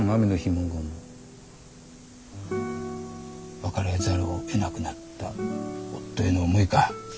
別れざるをえなくなった夫への思いか。